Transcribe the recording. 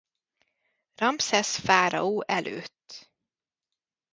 Ramszesz fáraó előtt.